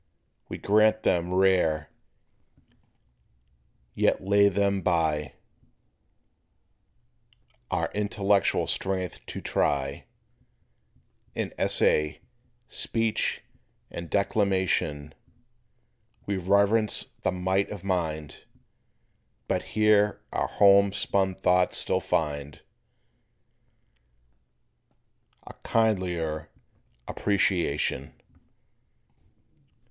We grant them rare, yet lay them by Our intellectual strength to try In essay, speech, or declamation; We reverence the might of mind, But here our home spun thoughts still find A kindlier appreciation.